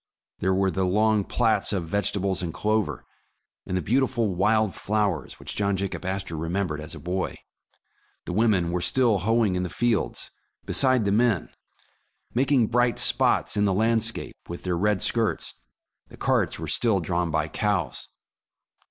There were the long plats of vegetables and clover, and the beautiful wild flowers which John Jacob Astor remembered as a boy. The women were still hoeing in the fields beside the men, making bright spots in the landscape with their red skirts ; the carts were still drawn by cows.